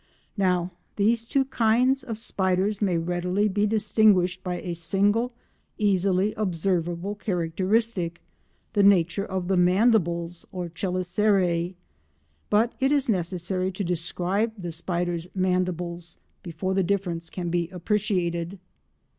Now these two kinds of spider may readily be distinguished by a single easily observable characteristic, the nature of the mandibles or chelicerae; but it is necessary to describe the spider's mandibles before the difference can be appreciated.